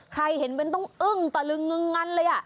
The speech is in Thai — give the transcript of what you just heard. ใครเห็นเป็นต้องอึ้งตะลึงงันเลยอะ